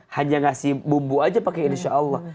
hanya ngasih bumbu aja pakai insya allah